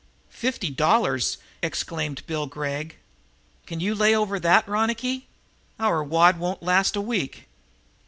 "Fifty dollars!" exclaimed Bill Gregg. "Can you lay over that, Ronicky? Our wad won't last a week."